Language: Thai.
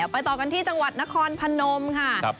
ไปต่อกันที่จังหวัดนครพนมค่ะ